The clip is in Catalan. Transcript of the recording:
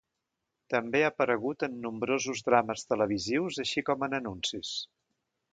També ha aparegut en nombrosos drames televisius així com en anuncis.